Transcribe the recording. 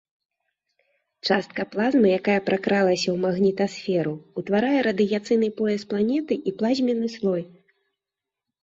Частка плазмы, якая пракралася ў магнітасферу, утварае радыяцыйны пояс планеты і плазменны слой.